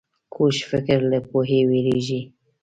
کوږ فکر له پوهې وېرېږي